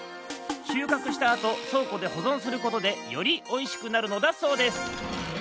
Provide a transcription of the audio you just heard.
しゅうかくしたあとそうこでほぞんすることでよりおいしくなるのだそうです。